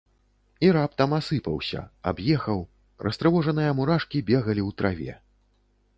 І раптам асыпаўся, аб'ехаў, растрывожаныя мурашкі бегалі ў траве.